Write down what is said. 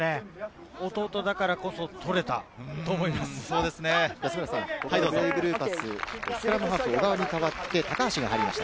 弟だからこそ取れたんだと思います。